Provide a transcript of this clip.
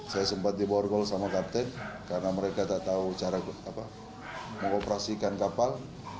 saya sempat diborgol sama kapten karena mereka tak tahu cara mengoperasikan kapal